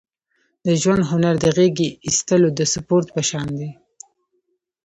د ژوند هنر د غېږې اېستلو د سپورت په شان دی.